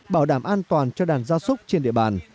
bảo đảm an toàn cho đàn gia súc trên địa bàn